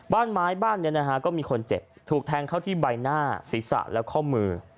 บ้านไม้บ้านนี้นะฮะก็มีคนเจ็บถูกแทงเข้าที่ใบหน้าศีรษะและข้อมือ